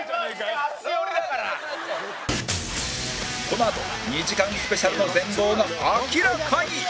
このあと２時間スペシャルの全貌が明らかに！